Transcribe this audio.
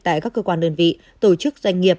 tại các cơ quan đơn vị tổ chức doanh nghiệp